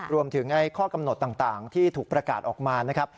รวมถึงข้อกำหนดต่างที่ถูกประกาศออกมานะครับ